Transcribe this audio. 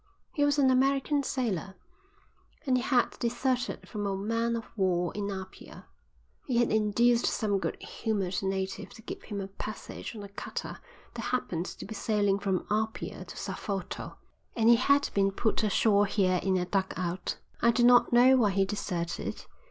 He was an American sailor, and he had deserted from a man of war in Apia. He had induced some good humoured native to give him a passage on a cutter that happened to be sailing from Apia to Safoto, and he had been put ashore here in a dugout. I do not know why he deserted.